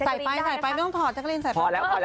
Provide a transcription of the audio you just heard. ใส่ไปไม่ต้องพอ